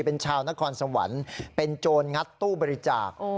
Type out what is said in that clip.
เป็นชาวนครสวรรค์เป็นโจรงัดตู้บริจาค